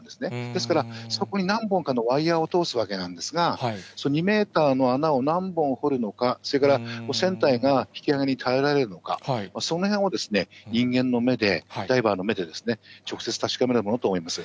ですから、そこに何本かのワイヤーを通すわけなんですが、その２メーターの穴を何本掘るのか、それから船体が引き揚げに耐えられるのか、そのへんを人間の目で、ダイバーの目でですね、直接確かめるものと思います。